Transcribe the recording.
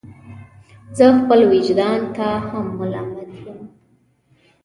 زه خپل ویجدان ته هم ملامت یم.